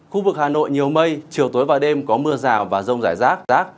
khu vực hà nội nhiều mây chiều tối và đêm có mưa rào và rông rải rác